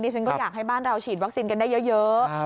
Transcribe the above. ฉันก็อยากให้บ้านเราฉีดวัคซีนกันได้เยอะ